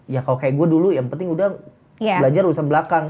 ya kalau kayak gue dulu yang penting udah belajar urusan belakang